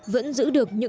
vẫn giữ được bình thường